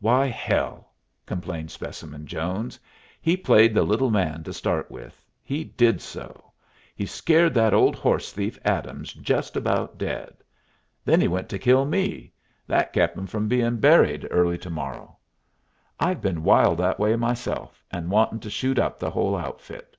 "Why, hell," complained Specimen Jones, "he played the little man to start with. He did so. He scared that old horse thief, Adams, just about dead. Then he went to kill me, that kep' him from bein' buried early to morrow. I've been wild that way myself, and wantin' to shoot up the whole outfit."